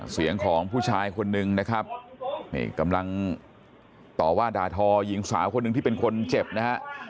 เสียงของผู้ชายคนนึงนะครับนี่กำลังต่อว่าด่าทอหญิงสาวคนหนึ่งที่เป็นคนเจ็บนะฮะ